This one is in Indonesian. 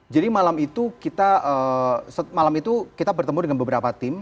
jadi malam itu kita bertemu dengan beberapa tim